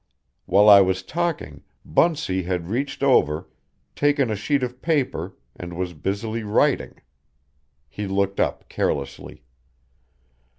While I was talking Bunsey had reached over, taken a sheet of paper and was busily writing. He looked up carelessly.